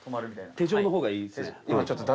手錠のほうがいいですね。